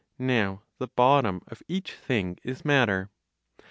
Now the bottom of each thing is matter.